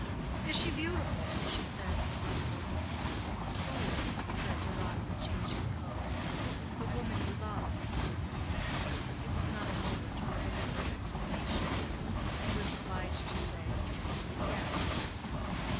"Is she beautiful?" she said, abruptly. "Who?" said Deronda, changing color. "The woman you love." It was not a moment for deliberate explanation. He was obliged to say, "Yes."